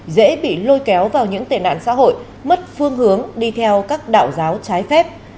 dễ bị lôi kéo vào những tệ nạn xã hội mất phương hướng đi theo các đạo giáo trái phép